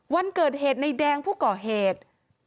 วันเกิดเหตุในแดงผู้ก่อเหตุ